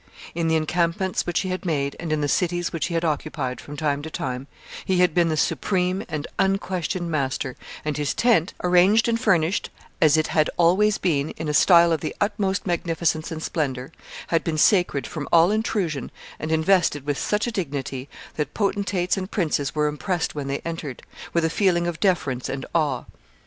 In the encampments which he had made, and in the cities which he had occupied from time to time, he had been the supreme and unquestioned master, and his tent, arranged and furnished, as it had always been, in a style of the utmost magnificence and splendor, had been sacred from all intrusion, and invested with such a dignity that potentates and princes were impressed when they entered, with a feeling of deference and awe.